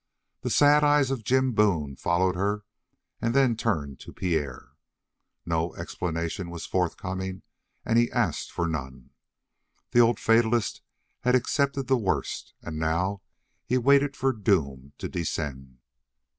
The sad eyes of Jim Boone followed her and then turned to Pierre. No explanation was forthcoming, and he asked for none. The old fatalist had accepted the worst, and now he waited for doom to descend.